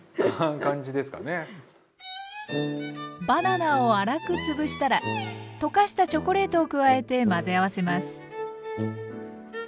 バナナを粗く潰したら溶かしたチョコレートを加えて混ぜ合わせます。